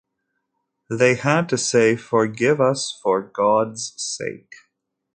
They had to say: Forgive us for God's sake!